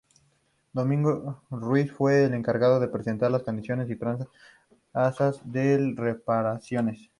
Domingo Ruiz fue el encargado de presentar las condiciones y trazas de las reparaciones.